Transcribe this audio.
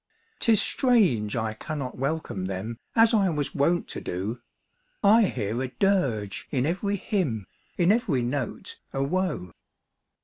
'Tis strange I cannot welcome them As I was wont to do : I hear a dirge in every hymn, In every note a woe.